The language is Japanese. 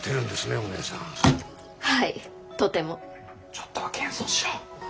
ちょっとは謙遜しろ。